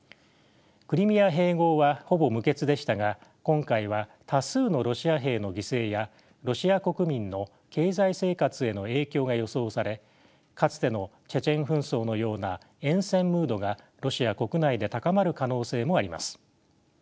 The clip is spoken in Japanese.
クリミア併合はほぼ無血でしたが今回は多数のロシア兵の犠牲やロシア国民の経済生活への影響が予想されかつてのチェチェン紛争のような厭戦ムードがロシア国内で高まる可能性もあります。